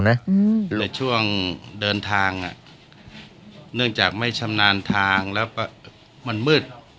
ในช่วงเดินทางอ่ะเนื่องจากไม่ชำนาญทางแล้วก็มันมืด